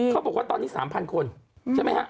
เขาบอกว่าตอนนี้๓๐๐คนใช่ไหมฮะ